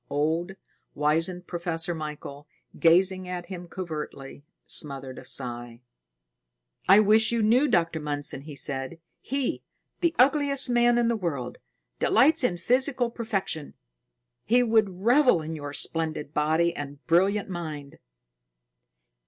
Old, wizened Professor Michael, gazing at him covertly, smothered a sigh. "I wish you knew Dr. Mundson," he said. "He, the ugliest man in the world, delights in physical perfection. He would revel in your splendid body and brilliant mind."